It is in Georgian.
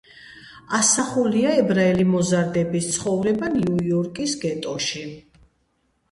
ასახულია ებრაელი მოზარდების ცხოვრება ნიუ-იორკის გეტოში.